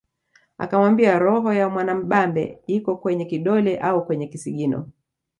Akamwambia roho ya Mwamubambe iko kwenye kidole au kwenye kisigino